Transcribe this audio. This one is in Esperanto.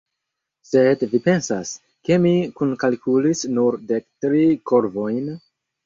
Sed vi pensas, ke mi kunkalkulis nur dek tri korvojn?